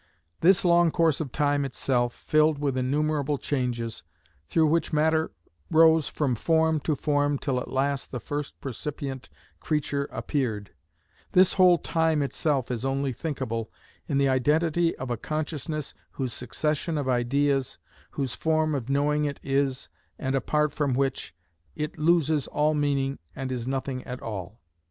This long course of time itself, filled with innumerable changes, through which matter rose from form to form till at last the first percipient creature appeared,—this whole time itself is only thinkable in the identity of a consciousness whose succession of ideas, whose form of knowing it is, and apart from which, it loses all meaning and is nothing at all.